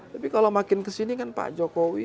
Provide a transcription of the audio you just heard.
tapi kalau makin kesini kan pak jokowi